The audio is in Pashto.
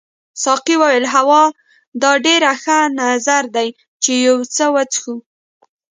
ساقي وویل هو دا ډېر ښه نظر دی چې یو څه وڅښو.